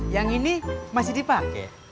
yang ini masih dipake